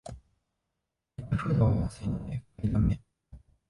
ペットフードが安いので買いだめ